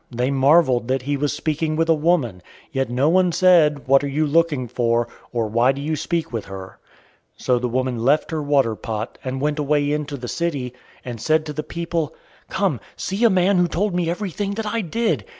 They marveled that he was speaking with a woman; yet no one said, "What are you looking for?" or, "Why do you speak with her?" 004:028 So the woman left her water pot, and went away into the city, and said to the people, 004:029 "Come, see a man who told me everything that I did.